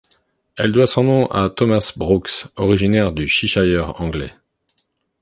Elle doit son nom à Thomas Brooks, originaire du Cheshire anglais.